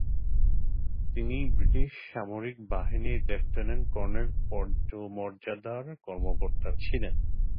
তিনি ব্রিটিশ সামরিক বাহিনীর লেফটেন্যান্ট কর্নেল পদমর্যাদার কর্মকর্তা ছিলেন।